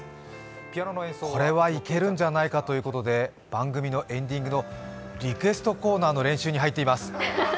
これはいけるんじゃないかということで番組のエンディングのリクエストコーナーの練習に入っています。